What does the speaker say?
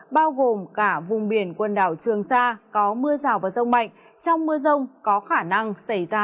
bao gồm cả vùng biển quần đảo trường sa có mưa rào và rông mạnh trong mưa rông có khả năng xảy ra